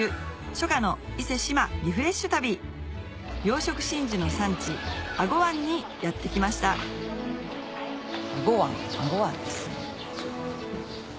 初夏の伊勢志摩リフレッシュ旅養殖真珠の産地英虞湾にやって来ました英虞湾ですね。